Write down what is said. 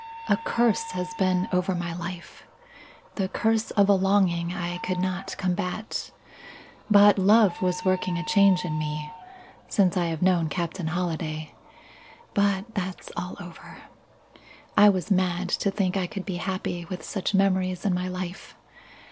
A curse has been over my life the curse of a longing I could not combat. But love was working a change in me. Since I have known Captain Holliday but that's all over. I was mad to think I could be happy with such memories in my life.